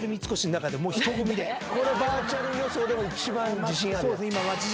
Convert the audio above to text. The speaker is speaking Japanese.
これバーチャル予想でも一番自信あるやつ？